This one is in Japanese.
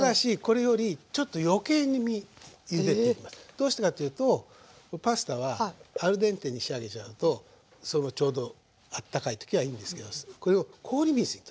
どうしてかっていうとパスタはアルデンテに仕上げちゃうとちょうどあったかい時はいいんですけどこれを氷水にとります。